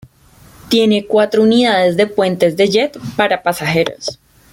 Tiene cuatro unidades de puentes de jet para pasajeros.